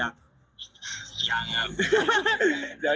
ยังครับ